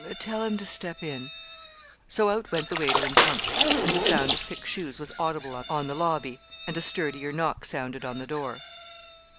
'Tell him to step in.' So out went the waiter in pumps, and the sound of thick shoes was audible on the lobby, and a sturdier knock sounded on the door.